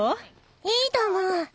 いいと思う。